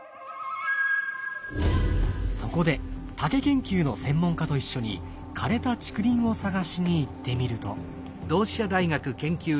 そこで竹研究の専門家と一緒に枯れた竹林を探しに行ってみると。